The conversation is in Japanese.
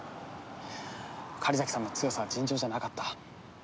狩崎さんの強さは尋常じゃなかった。